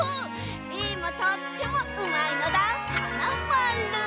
リンもとってもうまいのだ。はなまる。